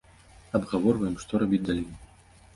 Абгаворваем, што рабіць далей.